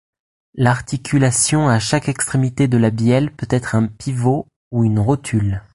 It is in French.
L'articulation à chaque extrémité de la bielle peut être un pivot ou une rotule.